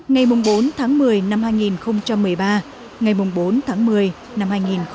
ngày bốn tháng một mươi năm hai nghìn một mươi ba ngày bốn tháng một mươi năm hai nghìn một mươi tám